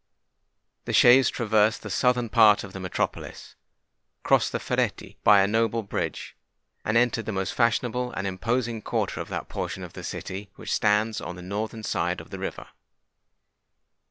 The chaise traversed the southern part of the metropolis, crossed the Ferretti by a noble bridge, and entered the most fashionable and imposing quarter of that portion of the city which stands on the northern side of the river.